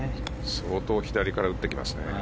相当左から打ってきますね。